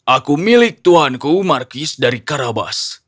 aku milik tuhanku markis dari karabas